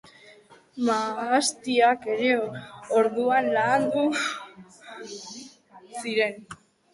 Mahastiak ere orduan landatu ziren.